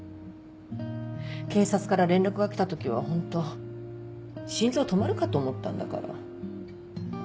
警察から連絡が来た時はホント心臓止まるかと思ったんだから。